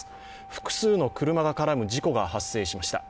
複数の車が絡む事故が発生しました。